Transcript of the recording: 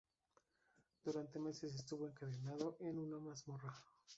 Durante meses estuvo encadenado en una mazmorra.